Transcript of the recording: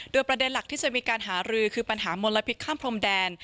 โดยประเด็นหลักที่จะมีการหารือคือปัญหามลพิษข้ามพรมแดน